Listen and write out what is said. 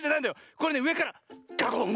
これねうえからガコン！